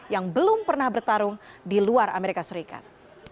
yang belum pernah bertarung di luar amerika serikat